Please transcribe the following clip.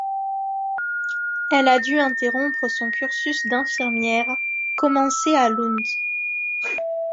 Elle a dû interrompre son cursus d'infirmière, commencé à Lund.